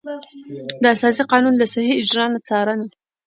د اساسي قانون له صحیح اجرا نه څارنه.